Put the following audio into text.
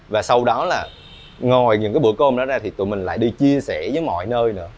và sau đó là ngồi những cái bữa cơm đó ra thì tụi mình lại đi chia sẻ với mọi nơi nữa